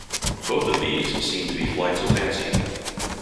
Both of these seem to be flights of fancy.